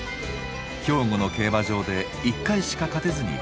兵庫の競馬場で一回しか勝てずに故障。